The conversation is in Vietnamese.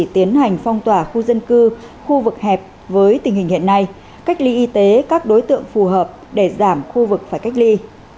tiến hành phong tỏa khu dân cư khu vực hẹp với tình hình hiện nay cách ly y tế các đối tượng phù hợp để giảm khu vực phải cách ly